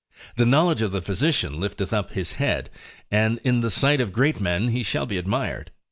The knowledge of the physician lifteth up his head, and in the sight of great men he shall be admired.